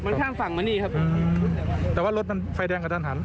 มันข้ามฝั่งมานี่ครับแต่ว่ารถมันไฟแดงกระทันหัน